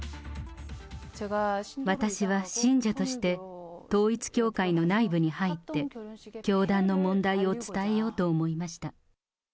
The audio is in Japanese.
私は信者として、統一教会の内部に入って、教団の問題を伝えようと思いました。